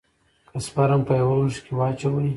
که سپرم په يوه لوښي کښې واچوې.